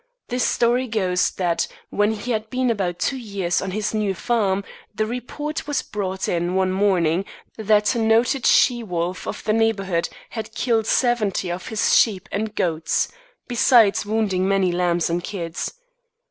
The story goes, that when he had been about two years on his new farm, the report was brought in one morning that a noted she wolf of the neighborhood had killed seventy of his sheep and goats, besides wounding many lambs and kids.